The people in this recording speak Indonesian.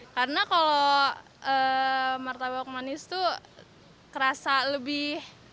karena kalau martabak manis tuh kerasa lebih